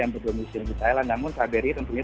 yang berdomisi di thailand namun kbri tentunya